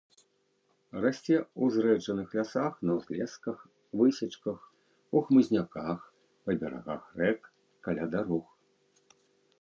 Расце ў зрэджаных лясах, на ўзлесках, высечках, у хмызняках, па берагах рэк, каля дарог.